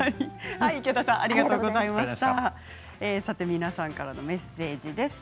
皆さんからのメッセージです。